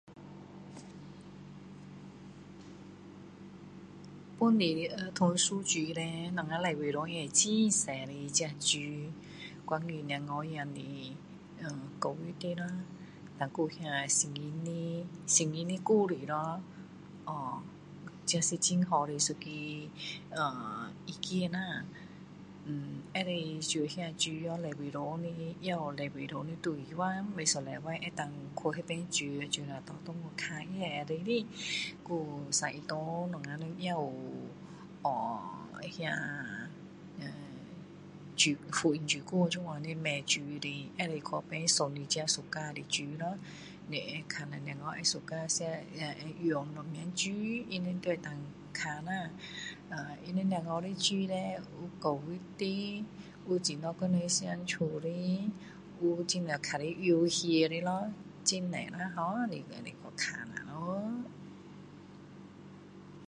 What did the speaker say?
本地的儿童书局嘞，我们礼拜堂也有很多这书，关于小孩子的，[ehh]教育的啦，但还有那圣经的，圣经的故事咯，噢这是很好的一个[ahh]意见啦，[ehh] 可以借那书咯，礼拜堂的也有礼拜堂的图书馆每个礼拜可以去那便借,借了拿回去看也可以的。还有三一堂我们也还有[ohh]那[ehh] [unintelligible] 福因书局可以买书的选你喜欢的书咯，你可看小孩喜欢写，[ahh]要用什么书。他们都可以看啦。他们小孩的书嘞，也有教育的，有怎样跟人相处的，有怎样玩游戏的咯，很多啦[ohh]你可以去看啦咯！